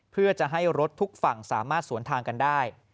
เพื่อจะให้รถทุกฝั่งสามารถสวนทางกันได้